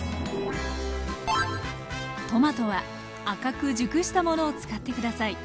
トマトは赤く熟したものを使って下さい。